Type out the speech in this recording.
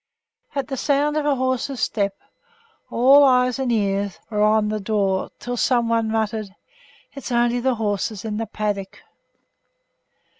At the sound of a horse's step all eyes and ears were on the door, till some one muttered, 'It's only the horses in the paddock.